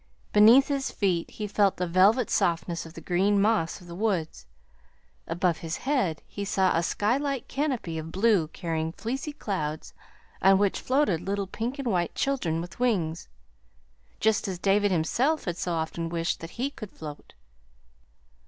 Beneath his feet he felt the velvet softness of the green moss of the woods. Above his head he saw a sky like canopy of blue carrying fleecy clouds on which floated little pink and white children with wings, just as David himself had so often wished that he could float.